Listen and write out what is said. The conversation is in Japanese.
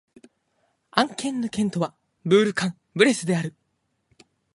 アン県の県都はブール＝カン＝ブレスである